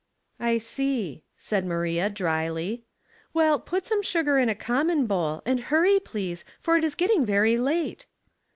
" I see," said Maria, dryly. " Well, put somo sugar in a common bowl, and hurry, please, for it is getting very late."